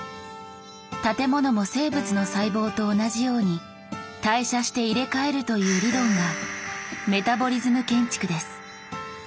「建物も生物の細胞と同じように代謝して入れ替える」という理論がメタボリズム建築です。